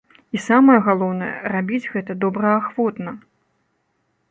І самае галоўнае, рабіць гэта добраахвотна.